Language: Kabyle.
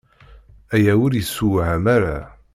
Aya ur yessewham ara.